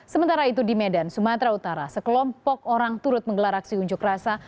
sementara itu di medan sumatera utara sekelompok orang turut menggelar aksi unjuk rasa